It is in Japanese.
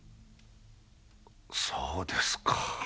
そうですか。